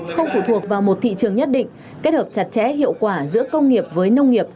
không phụ thuộc vào một thị trường nhất định kết hợp chặt chẽ hiệu quả giữa công nghiệp với nông nghiệp